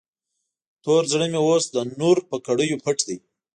تور زړه مې اوس د نور په کړیو پټ دی.